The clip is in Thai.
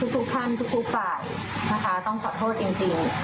ทุกท่านทุกฝ่ายนะคะต้องขอโทษจริง